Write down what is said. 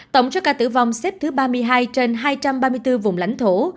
tổng số ca tử vong xếp thứ ba mươi hai trên hai trăm ba mươi bốn vùng lãnh thổ